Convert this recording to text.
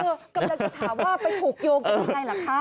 กำลังจะถามว่าไปผูกโยงกับยังไงล่ะคะ